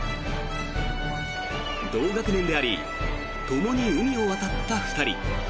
同学年でありともに海を渡った２人。